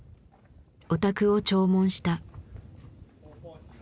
お宅を弔問した。